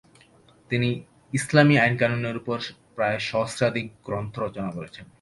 তিনি ইসলামী আইন-কানুনের উপর প্রায় সহস্রাধিক গ্রন্থ রচনা করেছেন।